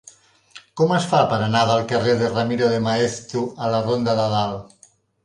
Com es fa per anar del carrer de Ramiro de Maeztu a la ronda de Dalt?